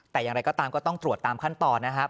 แต่อย่างไรก็ตามก็ต้องตรวจตามขั้นตอนนะครับ